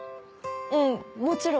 うんもちろん。